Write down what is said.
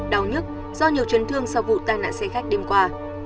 đau nhất do nhiều chấn thương sau vụ tai nạn xe khách đêm qua